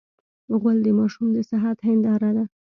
غول د ماشوم د صحت هنداره ده.